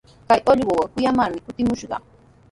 Kay allquqa kuyamarmi kutimushqa.